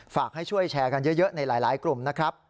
ฝากให้ช่วยแชร์กันเยอะในหลายกลุ่มนะครับ